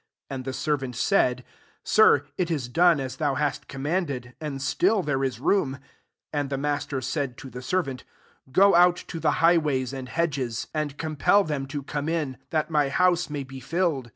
22 rtj||_ the servant said, ' Sir, it ia * as thou hast commanded* still there is room.' 2S Ai%4 master said to the servant^ ^. out to the highways and hedges. € LUKE XV. isr and compel • them to come in ; that my house may be filled.